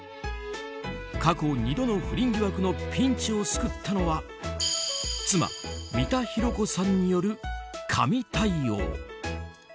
過去２度の不倫疑惑のピンチを救ったのは妻・三田寛子さんによる神対応。